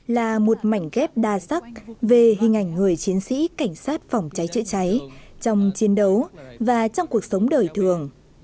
là một mảnh ghép đa sắc về hình ảnh người chiến sĩ cảnh sát phòng cháy chữa cháy trong chiến đấu và trong cuộc sống đời thường